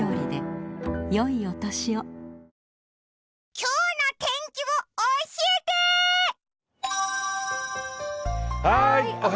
今日の天気を教えてー！